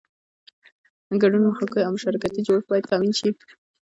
ګډون مخوکی او مشارکتي جوړښت باید تامین شي.